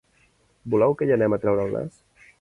Voleu que hi anem a treure el nas?